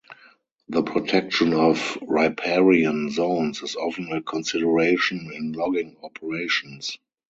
The protection of riparian zones is often a consideration in logging operations.